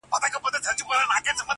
نن دي جهاني غزل ته نوی رنګ ورکړی دی،